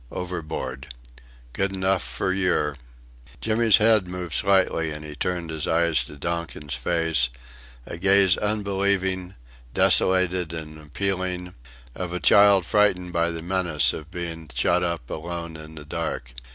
Overboard! Good 'nuff fur yer." Jimmy's head moved slightly and he turned his eyes to Donkin's face; a gaze unbelieving, desolated and appealing, of a child frightened by the menace of being shut up alone in the dark.